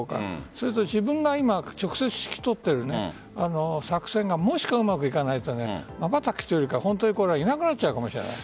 それと自分が今直接、指揮を執っている作戦がもしうまくいかないとまばたきというよりかはいなくなっちゃうかもしれない。